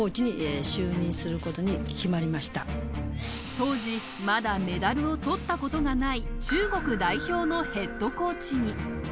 当時、まだメダルを取ったことがない中国代表のヘッドコーチに。